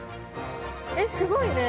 えっすごいね。